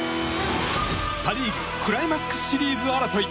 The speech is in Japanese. パ・リーグクライマックスシリーズ争い。